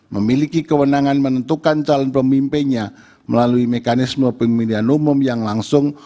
memiliki kewenangan menentukan calon pemimpinnya melalui mekanisme pemilihan umum yang langsung